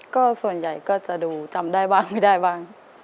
ก็ส่วนใหญ่ก็จะดูจำได้บ้างไม่ได้บ้าง